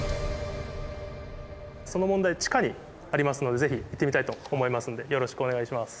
その問題地下にありますので是非行ってみたいと思いますんでよろしくお願いします。